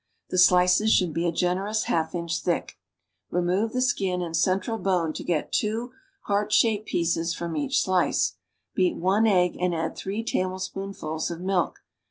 The slices should be a generous half inch thick. Remove the skin and central bone to get two heart shaped pieces from each slice. Beat one egg and add three tablespoonfuls of milk.